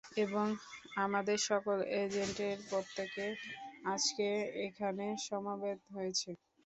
এবং আমাদের সকল এজেন্টের প্রত্যেকে আজকে এখানে সমবেত হয়েছে।